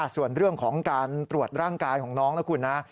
ส่วนเรื่องของการตรวจร่างกายของน้องนะคุณนะ